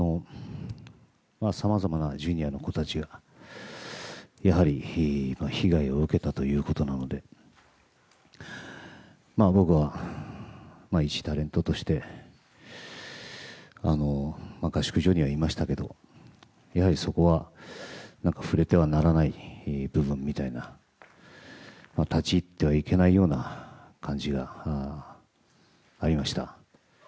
さまざまな方が被害を受けたということなので僕は、いちタレントとして合宿所にはいましたけどもやはり、そこは何か触れてはならない部分みたいな立ち入ってはいけないような感じがありました。